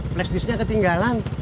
flash disk nya ketinggalan